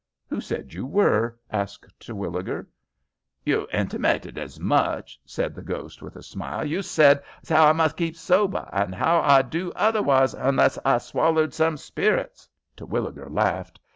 "Who said you were?" asked Terwilliger. "You intimated as much," said the ghost, with a smile. "You said as 'ow I must keep sober, and 'ow could I do hotherwise hunless I swallered some spirits?" Terwilliger laughed.